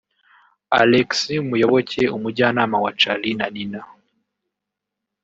Alex Muyoboke umujyanama wa Charly na Nina